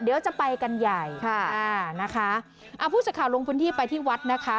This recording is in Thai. เดี๋ยวจะไปกันใหญ่ค่ะอ่านะคะอ่าผู้สื่อข่าวลงพื้นที่ไปที่วัดนะคะ